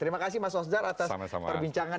terima kasih mas osdar atas perbincangan